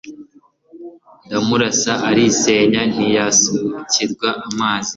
Ndamurasa arisenya ntiyasukirwa amazi